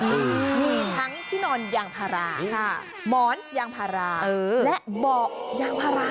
อืมมีทั้งที่นอนยางพาราค่ะหมอนยางพาราเออและเบาะยางพารา